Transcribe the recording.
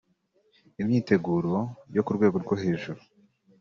Imyiteguro yo ku rwego rwo hejuru